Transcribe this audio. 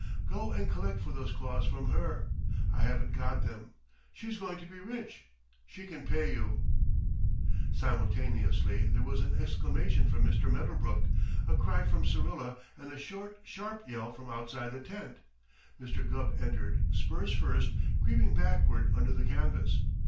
Go and collect for those claws from her. I haven't got them. She's going to be rich; she can pay you!" Simultaneously there was an exclamation from Mr. Medderbrook, a cry from Syrilla, and a short, sharp yell from outside the tent. Mr. Gubb entered, spurs first, creeping backward under the canvas.